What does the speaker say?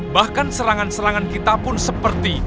bahkan serangan serangan kita pun seperti